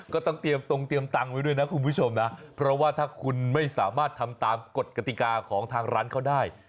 ก็ต้องเตรียมตรงเตรียมตังค์ไว้ด้วยนะคุณผู้ชมนะเพราะว่าถ้าคุณไม่สามารถทำตามกฎกติกาของทางร้านเขาได้